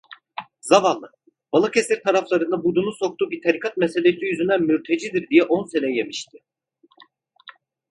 Zavallı, Balıkesir taraflarında burnunu soktuğu bir tarikat meselesi yüzünden "mürtecidir" diye on sene yemişti.